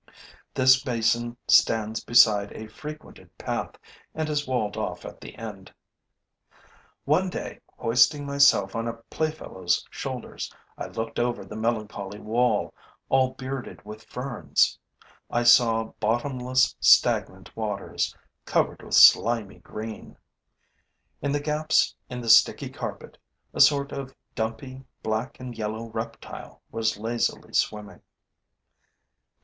This basin stands beside a frequented path and is walled off at the end. One day, hoisting myself on a playfellow's shoulders, I looked over the melancholy wall, all bearded with ferns. I saw bottomless stagnant waters, covered with slimy green. In the gaps in the sticky carpet, a sort of dumpy, black and yellow reptile was lazily swimming.